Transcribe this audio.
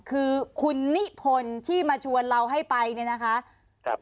คือคุณนิพนธ์ที่มาชวนเราให้ไปเนี่ยนะคะครับ